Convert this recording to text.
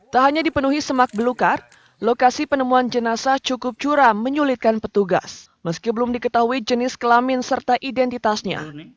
tak hanya dipenuhi semak belukar lokasi penemuan jenazah cukup curam menyulitkan petugas meski belum diketahui jenis kelamin serta identitasnya